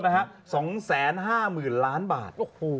๒๕หมื่นล้านบาท